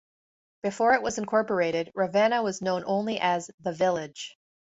Before it was incorporated, Ravenna was known only as "The Village".